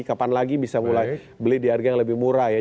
kapan lagi bisa mulai beli di harga yang lebih murah ya